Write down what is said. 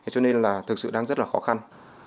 cho nên là thực sự đang rất là khó khăn